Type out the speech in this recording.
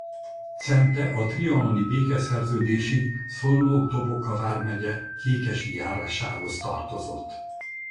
Cente a trianoni békeszerződésig Szolnok-Doboka vármegye Kékesi járásához tartozott.